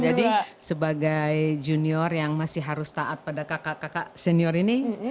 jadi sebagai junior yang masih harus taat pada kakak kakak senior ini